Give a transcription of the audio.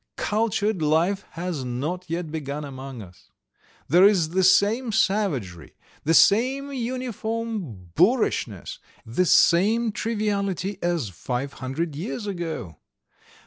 Cultured life has not yet begun among us. There's the same savagery, the same uniform boorishness, the same triviality, as five hundred years ago.